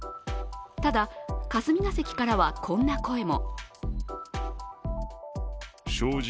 ただ、霞が関からはこんな声も。